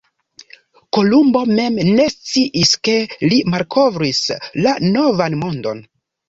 Kolumbo mem ne sciis ke li malkovris la Novan Mondon.